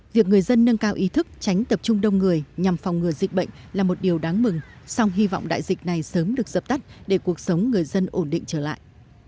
việc người dân nâng cao ý thức tránh tập trung đông người nhằm phòng ngừa dịch bệnh là một điều đáng mừng song hy vọng đại dịch này sớm được dập tắt để cuộc sống người dân ổn định trở lại